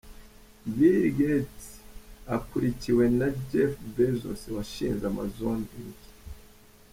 Bill Gates akurikiwe na Jeff Bezos washinze Amazon Inc.